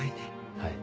はい。